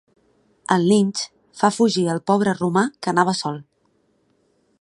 El linx fa fugir el pobre romà que anava sol.